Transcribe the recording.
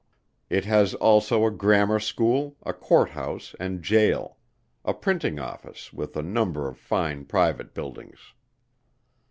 It has also a Grammar School, a Court House and Gaol; a Printing Office, with a number of fine private buildings.